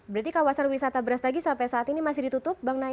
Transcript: berarti kawasan wisata beras tagi sampai saat ini masih ditutup mbak nail